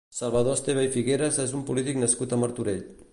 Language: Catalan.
Salvador Esteve i Figueras és un polític nascut a Martorell.